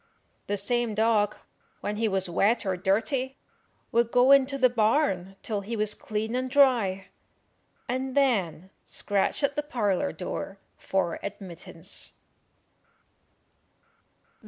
The same dog, when he was wet or dirty, would go into the barn till he was clean and dry, and then scratch at the parlour door for admittance.